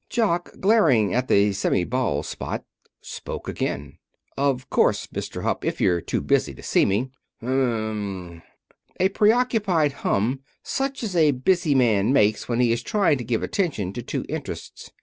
Jock, glaring at the semi bald spot, spoke again. "Of course, Mr. Hupp, if you're too busy to see me " "M m m m," a preoccupied hum, such as a busy man makes when he is trying to give attention to two interests.